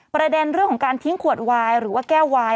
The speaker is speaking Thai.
ประเด็นเรื่องของการทิ้งขวดวายหรือว่าแก้ววาย